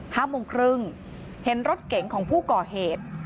ห้าโมงครึ่งเห็นรถเก๋งของผู้ก่อเหตุ